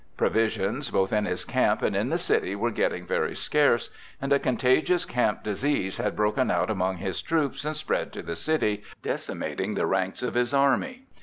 Provisions both in his camp and in the city were getting very scarce, and a contagious camp disease had broken out among his troops and spread to the city, decimating the ranks of his army.